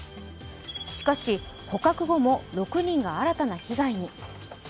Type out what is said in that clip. しかし、捕獲後も６人が新たな被害に。